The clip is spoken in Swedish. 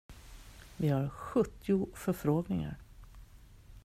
Vi har sjuttio förfrågningar!